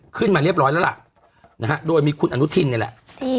ขึ้นมาเรียบร้อยแล้วล่ะนะฮะโดยมีคุณอนุทินนี่แหละ